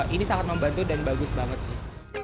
ini sangat membantu dan bagus banget sih